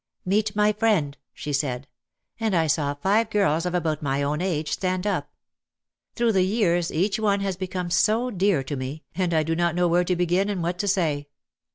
"Meet my friend," she said, and I saw five girls of about my own age stand up. Through the years each one has become so dear to me, and I do not know where to begin and what to say.